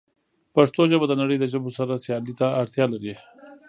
پښتو ژبه د نړۍ د ژبو سره سیالۍ ته اړتیا لري.